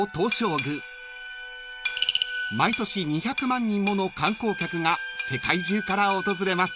［毎年２００万人もの観光客が世界中から訪れます］